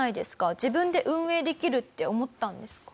自分で運営できるって思ったんですか？